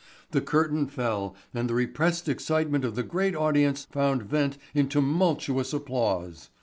The curtain fell and the repressed excitement of the great audience found vent in tumultuous applause.